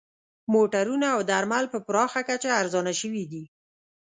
موټرونه او درمل په پراخه کچه ارزانه شوي دي